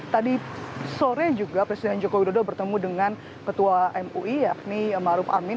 sebenarnya juga presiden jokowi yudho bertemu dengan ketua mui yakni maruf amin